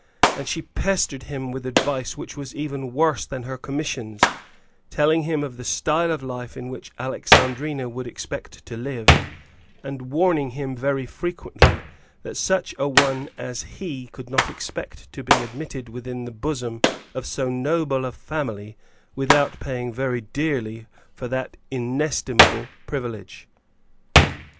And she pestered him with advice which was even worse than her commissions, telling him of the style of life in which Alexandrina would expect to live, and warning him very frequently that such an one as he could not expect to be admitted within the bosom of so noble a family without paying very dearly for that inestimable privilege.